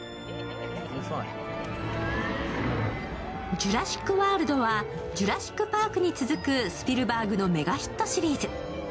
「ジュラシック・ワールド」は「ジュラシック・パーク」に続くスピルバーグのメガヒットシリーズ。